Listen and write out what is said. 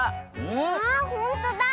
あほんとだ！